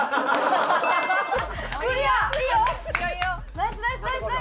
ナイスナイスナイス！